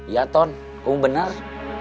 ya ton kamu benar